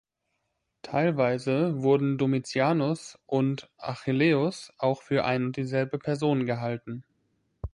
Teilweise wurden Domitianus und Achilleus auch für ein und dieselbe Person gehalten.